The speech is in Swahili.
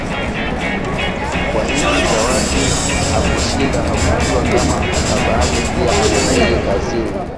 Kwa hili Zawadi hakushindana, hakujua kama babake pia ana ndege kazini